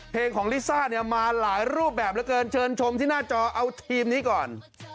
เพลงของลิซ่าเนี่ยมาหลายรูปแบบเหลือเกินเชิญชมที่หน้าจอเอาทีมนี้ก่อน